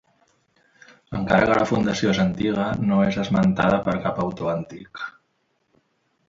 Encara que la fundació és antiga no és esmentada per cap autor antic.